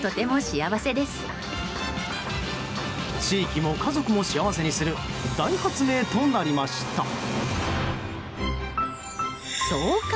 地域も家族も幸せにする大発明となりました。